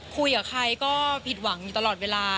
คุยกับใครก็ผิดหวังอยู่ตลอดเวลา